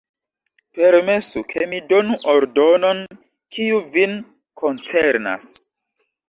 Permesu, ke mi donu ordonon, kiu vin koncernas.